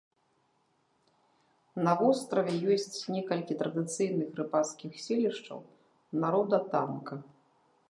На востраве ёсць некалькі традыцыйных рыбацкіх селішчаў народа танка.